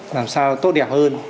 làm sao tốt đẹp hơn